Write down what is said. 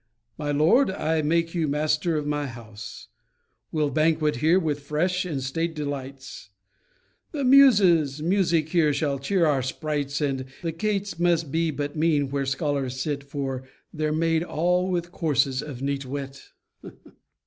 My lord, I make you master of my house: We'll banquet here with fresh and staid delights, The Muses music here shall cheer our sprites; The cates must be but mean where scholars sit, For they're made all with courses of neat wit.